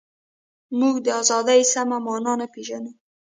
موږ د ازادۍ سمه مانا نه پېژنو.